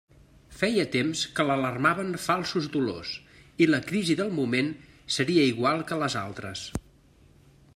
Feia temps que l'alarmaven falsos dolors i la crisi del moment seria igual que les altres.